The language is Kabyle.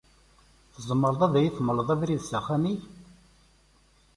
Tzemreḍ ad yi-d-temleḍ abrid s axxam-ik?